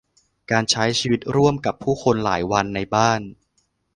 การใช้ชีวิตร่วมกับผู้คนหลายวันในบ้าน